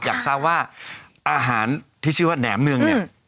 อยากทราบว่าอาหารที่ชื่อว่าแหนมเนืองเนี่ย